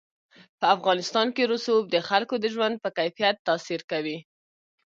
په افغانستان کې رسوب د خلکو د ژوند په کیفیت تاثیر کوي.